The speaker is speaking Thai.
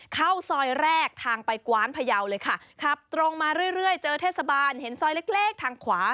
เข้าซอยแรกทางไปกว้านพยาวเลยค่ะขับตรงมาเรื่อยเจอเทศบาลเห็นซอยเล็กเล็กทางขวา